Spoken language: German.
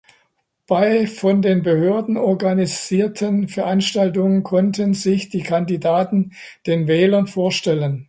Bei von den Behörden organisierten Veranstaltungen konnten sich die Kandidaten den Wählern vorstellen.